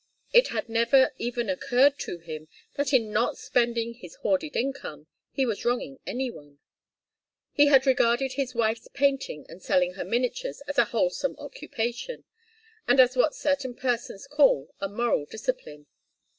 It had never even occurred to him that in not spending his hoarded income he was wronging any one. He had regarded his wife's painting and selling her miniatures as a wholesome occupation, and as what certain persons call a moral discipline.